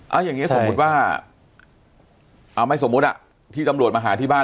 เอาอย่างนี้สมมุติว่าเอาไม่สมมุติอ่ะที่ตำรวจมาหาที่บ้าน